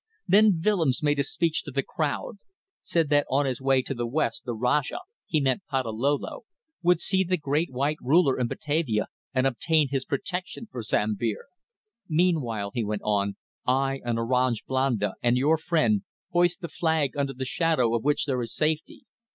Then Willems made a speech to the crowd. Said that on his way to the west the Rajah he meant Patalolo would see the Great White Ruler in Batavia and obtain his protection for Sambir. Meantime, he went on, I, an Orang Blanda and your friend, hoist the flag under the shadow of which there is safety.